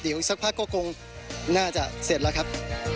เดี๋ยวอีกสักพักก็คงน่าจะเสร็จแล้วครับ